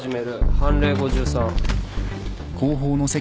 判例５３。